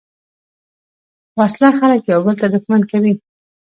وسله خلک یو بل ته دښمن کوي